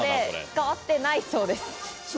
使ってないそうです。